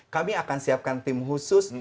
kami akan siapkan tim khusus